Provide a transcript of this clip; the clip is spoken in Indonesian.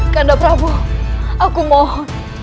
kandaprabu aku mohon